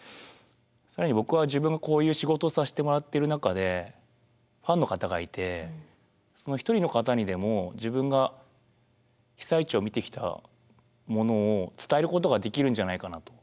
更に僕は自分がこういう仕事をさせてもらっている中でファンの方がいてその一人の方にでも自分が被災地を見てきたものを伝えることができるんじゃないかなと。